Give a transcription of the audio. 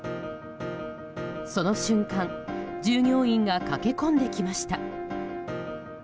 その瞬間従業員が駆け込んできました。